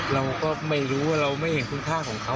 เราก็ไม่รู้ว่าเราไม่เห็นคุณค่าของเขา